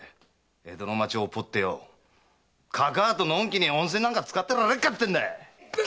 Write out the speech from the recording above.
江戸の町をほっぽってかかあとのんきに温泉なんかつかってられっかってんだ。